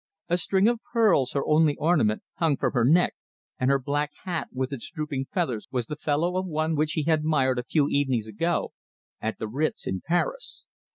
A string of pearls, her only ornament, hung from her neck, and her black hat with its drooping feathers was the fellow of one which he had admired a few evenings ago at the Ritz in Paris.